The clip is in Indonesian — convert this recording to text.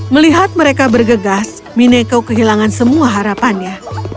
melihat mereka bergegas mineko kehilangan semua harapannya